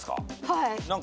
はい。